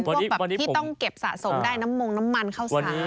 พวกแบบที่ต้องเก็บสะสมได้น้ำมงน้ำมันเข้าสาร